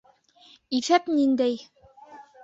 Иҫәп ниндәй?